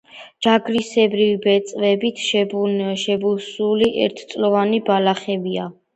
ჯაგრისებრი ბეწვებით შებუსული ერთწლოვანი ბალახებია.